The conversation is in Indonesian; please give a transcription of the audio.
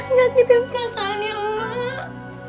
nyakitin perasaannya emak